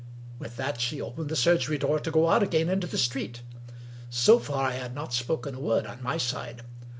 With that, she opened the surgery door to go out again into the street. So far, I had not spoken a word on my side.